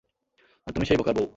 আর তুমি সেই বোকার বউ।